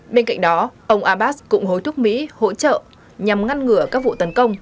bên cạnh đó ông abbas cũng hối thúc mỹ hỗ trợ nhằm ngăn ngừa các vụ tấn công